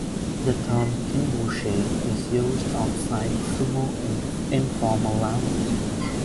The term "kinboshi" is used outside sumo in informal language.